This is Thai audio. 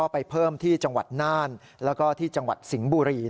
ไปเพิ่มที่จังหวัดน่านแล้วก็ที่จังหวัดสิงห์บุรี